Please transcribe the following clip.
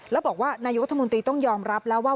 แล้วบอกว่านายกรัฐมนตรีต้องยอมรับแล้วว่า